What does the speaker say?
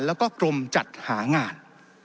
แล้วก็กรมจัดหางาน